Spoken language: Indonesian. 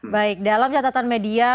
baik dalam catatan media